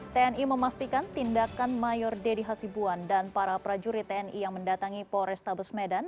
tni memastikan tindakan mayor dedy hasibuan dan para prajurit tni yang mendatangi polrestabes medan